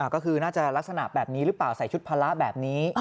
ก็คือน่าจะลักษณะแบบนี้หรือเปล่าใส่ชุดภาระแบบนี้